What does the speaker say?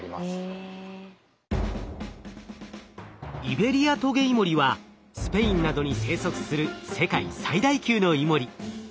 イベリアトゲイモリはスペインなどに生息する世界最大級のイモリ。